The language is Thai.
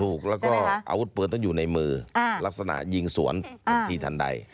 ถูกแล้วก็อาวุธปืนต้องอยู่ในมือลักษณะยิงสวนทันทีทันใด